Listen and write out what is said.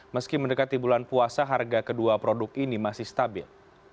meski mendekati bulan puasa harga kedua produk ini masih stabil